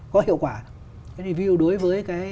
có hiệu quả ví dụ đối với cái